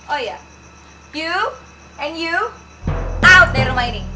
oh iya you and you tough dari rumah ini